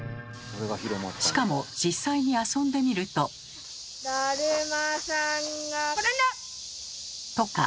しかも実際に遊んでみると。とか。